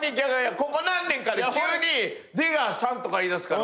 ここ何年かで急に「出川さん」とか言いだすから。